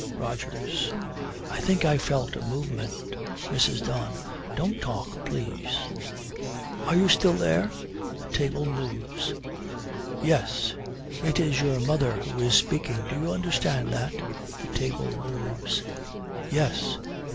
ROGERS. 'I think I felt a movement.' MRS. DON. 'Don't talk, please. Are you still there?' The table moves. 'Yes! It is your mother who is speaking; do you understand that?' The table moves. 'Yes.